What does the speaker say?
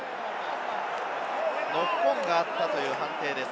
ノックオンがあったという判定です。